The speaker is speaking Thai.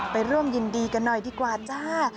ไปร่วมยินดีกันหน่อยดีกว่าจ้า